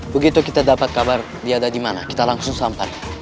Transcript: begitu kita dapat kabar dia ada dimana kita langsung sampai